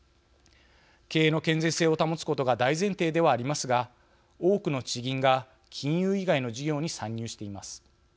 経営の健全性を保つことが大前提ではありますが多くの地銀が金融以外の事業に参入しています。